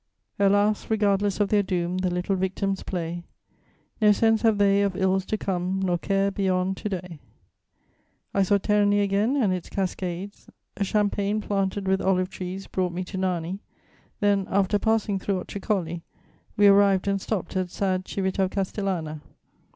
Alas, regardless of their doom, The little victims play! No sense have they of ills to come, Nor care beyond to day. [Sidenote: Civita Castellana.] "I saw Terni again and its cascades. A champaign planted with olive trees brought me to Narni; then, after passing through Otricoli, we arrived and stopped at sad Civita Castellana.